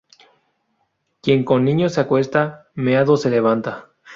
Quien con niños se acuesta, meado se levanta